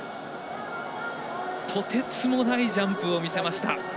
とてつもないジャンプを見せました。